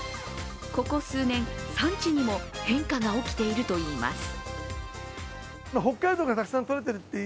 ここ数年、産地にも変化が起きているといいます。